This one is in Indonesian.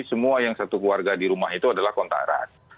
semua yang satu keluarga di rumah itu adalah kontak